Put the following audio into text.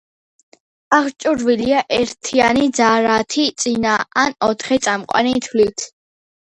აღჭურვილია ერთიანი ძარათი, წინა ან ოთხი წამყვანი თვლით.